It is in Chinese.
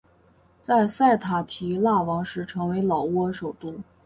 在塞塔提腊王时成为老挝首都。